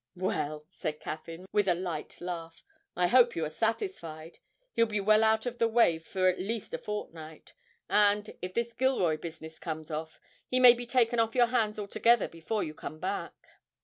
'Well,' said Caffyn, with a light laugh, 'I hope you are satisfied: he'll be well out of the way for at least a fortnight, and, if this Gilroy business comes off, he may be taken off your hands altogether before you come back.'